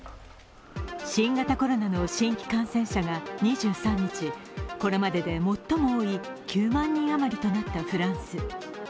新型コロナの新規感染者が２３日、これまでで最も多い９万人余りとなったフランス。